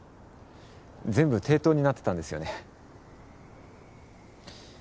全部抵当になってたんですよね。